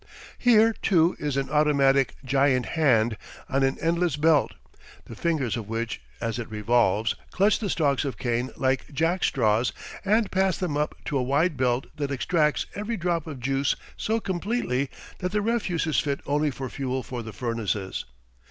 Here, too, is an automatic "giant hand" on an endless belt, the "fingers" of which, as it revolves, clutch the stalks of cane like jackstraws and pass them up to a wide belt that extracts every drop of juice so completely that the refuse is fit only for fuel for the furnaces.